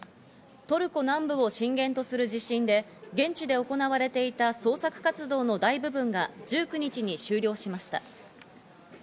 トルコ南部を震源とする地震で、現地で行われていた捜索活動の大部分が１９日に終了しました。